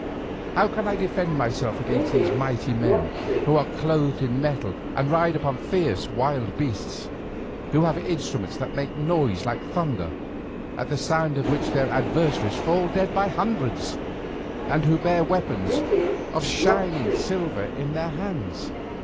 How can I defend myself against these mighty men, who are clothed in metal, and ride upon fierce wild beasts, who have instruments that make a noise like thunder, at the sound of which their adversaries fall dead by hundreds, and who bear weapons of shining silver in their hands?